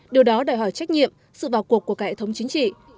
điều đó đòi hỏi trách nhiệm sự vào cuộc của cả hệ thống chính trị